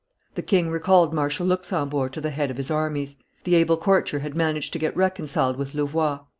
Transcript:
The king recalled Marshal Luxembourg to the head of his armies. The able courtier had managed to get reconciled with Louvois.